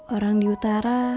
orang di utara